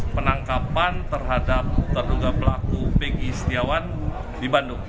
penangkapan terhadap terduga pelaku pegi setiawan di bandung